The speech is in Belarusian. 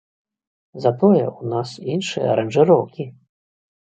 Затое, у нас іншыя аранжыроўкі!